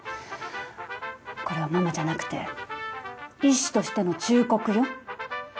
これはママじゃなくて医師としての忠告よ。